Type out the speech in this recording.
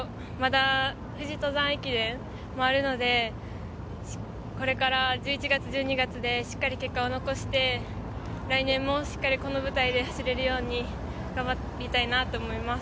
富士登山駅伝もあるので、これから１１月、１２月でしっかり結果を残して、来年もしっかりこの舞台で走れるように頑張りたいなと思います。